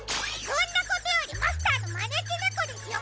そんなことよりマスターのまねきねこですよ